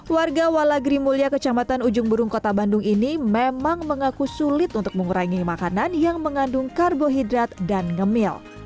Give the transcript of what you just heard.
warga wala grimulya kecamatan ujung burung kota bandung ini memang mengaku sulit untuk mengurangi makanan yang mengandung karbohidrat dan ngemil